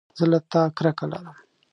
زه له تا کرکه لرم